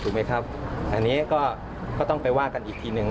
ไหมครับอันนี้ก็ต้องไปว่ากันอีกทีหนึ่ง